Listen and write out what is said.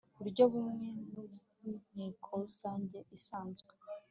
buryo bumwe n ubw Inteko Rusange isanzwe